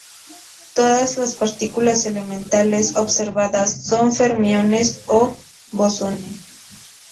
Todas las partículas elementales "observadas" son fermiones o bosones.